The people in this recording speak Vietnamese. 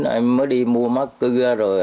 em mới đi mua mát cư ra rồi